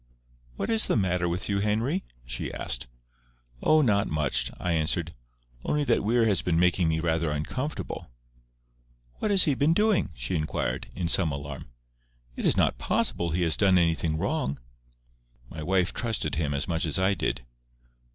"What is the matter with you, Henry?" she asked. "Oh, not much," I answered. "Only that Weir has been making me rather uncomfortable." "What has he been doing?" she inquired, in some alarm. "It is not possible he has done anything wrong." My wife trusted him as much as I did.